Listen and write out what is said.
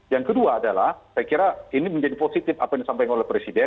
yang kedua adalah saya kira ini menjadi positif apa yang disampaikan oleh presiden